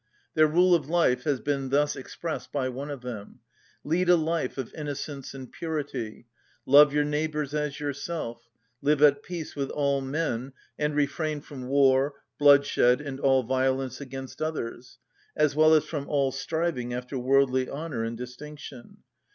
Their rule of life has been thus expressed by one of them: "Lead a life of innocence and purity, love your neighbours as yourself, live at peace with all men, and refrain from war, blood‐shed, and all violence against others, as well as from all striving after worldly honour and distinction.